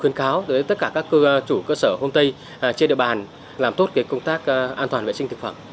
khuyến kháo tới tất cả các chủ cơ sở hôm tây trên địa bàn làm tốt công tác an toàn vệ sinh thực phẩm